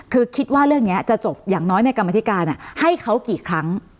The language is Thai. คือคิดว่าเรื่องนี้จะจบอย่างน้อยในกรรมธิการให้เขากี่ครั้ง